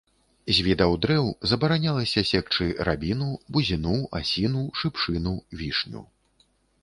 З відаў дрэваў забаранялася секчы рабіну, бузіну, асіну, шыпшыну, вішню.